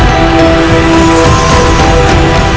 tubuh dan modal